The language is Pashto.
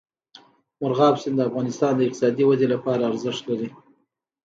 مورغاب سیند د افغانستان د اقتصادي ودې لپاره ارزښت لري.